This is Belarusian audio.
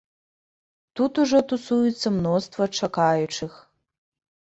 Тут ужо тусуецца мноства чакаючых.